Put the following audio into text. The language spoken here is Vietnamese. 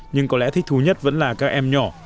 nhưng có lẽ thích thú nhất vẫn là các em nhỏ